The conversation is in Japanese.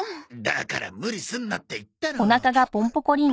だから無理すんなって言ったろ。